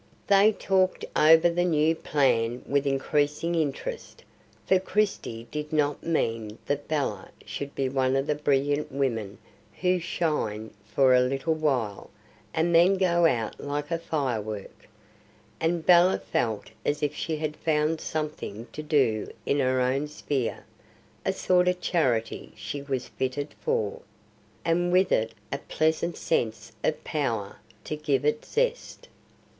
They talked over the new plan with increasing interest; for Christie did not mean that Bella should be one of the brilliant women who shine for a little while, and then go out like a firework. And Bella felt as if she had found something to do in her own sphere, a sort of charity she was fitted for, and with it a pleasant sense of power to give it zest.